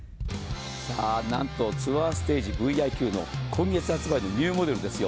さあ、なんとツアーステージＶｉＱ２、今月発売のニューモデルですよ。